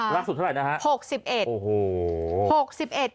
ล่าสุดเท่าไหร่นะคะ